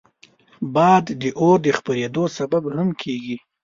باد د اور د خپرېدو سبب هم کېږي